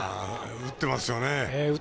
打ってますよね。